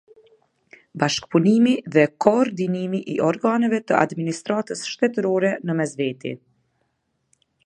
Bashkëpunimi dhe koordinimi i organeve të administratës shtetërore në mes veti.